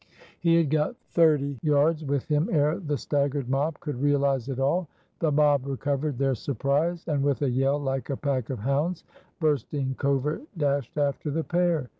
He had got thirty yards with him ere the staggered mob could realize it all. The mob recovered their surprise, and with a yell like a pack of hounds bursting covert dashed after the pair.